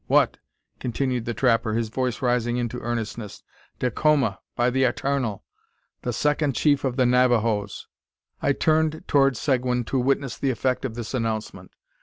What!" continued the trapper, his voice rising into earnestness; "Dacoma, by the Etarnal! The second chief of the Navajoes!" I turned toward Seguin to witness the effect of this announcement.